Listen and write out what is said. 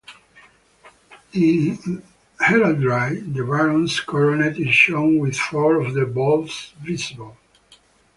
In heraldry, the baron's coronet is shown with four of the balls visible.